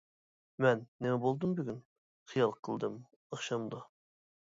مەن نېمە بولدۇم بۈگۈن، خىيال قىلدىم ئاخشامدا.